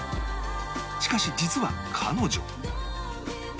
しかし実は彼女